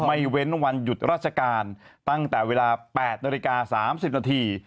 เว้นวันหยุดราชการตั้งแต่เวลา๘นาฬิกา๓๐นาที